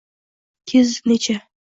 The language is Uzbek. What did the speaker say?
Kezdi necha